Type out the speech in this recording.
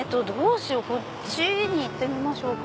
こっちに行ってみましょうか？